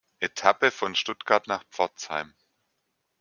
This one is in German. Etappe von Stuttgart nach Pforzheim.